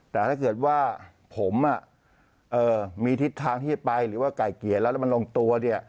แต่ถ้าเกิดว่าผมมีทิศทางที่จะไปหรือว่าไก่เกลียดแล้วแล้วมันลงตัวเนี่ย